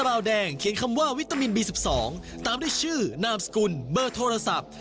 ราวแดงเขียนคำว่าวิตามินบี๑๒ตามด้วยชื่อนามสกุลเบอร์โทรศัพท์